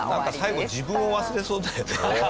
最後自分を忘れそうだよね。